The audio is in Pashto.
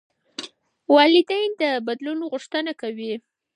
والدین د بدلون غوښتنه کوي.